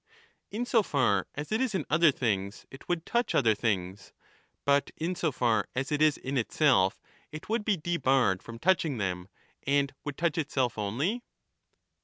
touch both. In so far as it is in other things it would touch other things, but in so far as it is in itself it would be debarred from touching them, and would touch itself only.